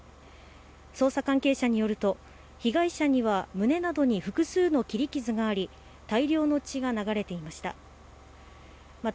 捜査関係者によると、被害者には胸などに複数の切り傷があり、大量の血が流れていました。